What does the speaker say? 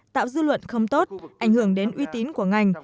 tạo dư luận không tốt ảnh hưởng đến uy tín của ngành